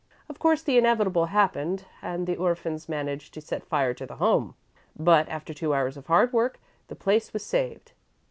Of course the inevitable happened and the orphans managed to set fire to the home, but, after two hours of hard work, the place was saved.